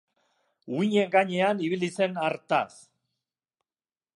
Uhinen gainean ibili zen hartaz.